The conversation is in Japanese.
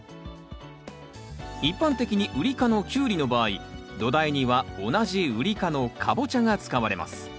一般的にウリ科のキュウリの場合土台には同じウリ科のカボチャが使われます。